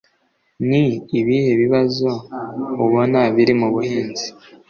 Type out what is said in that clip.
ni ibihe bibazo ubona biri mu buhinzi